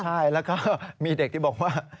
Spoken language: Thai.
ใช่แล้วก็มีเด็กที่บอกว่า